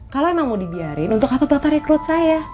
kalau emang mau dibiarin untuk apa apa rekrut saya